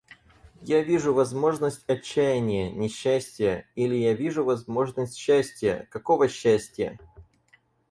Я вижу возможность отчаяния, несчастия... или я вижу возможность счастья, какого счастья!..